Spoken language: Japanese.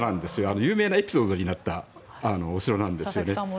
有名なエピソードになったお城なんですよね。